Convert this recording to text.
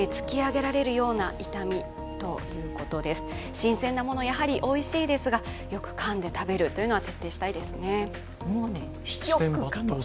新鮮なもの、やはりおいしいですがよくかんで食べるというのは徹底したいですね。